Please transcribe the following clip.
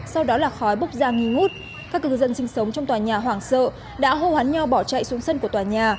sau đó là khói bốc ra nghi ngút các cư dân sinh sống trong tòa nhà hoảng sợ đã hô hoán nhau bỏ chạy xuống sân của tòa nhà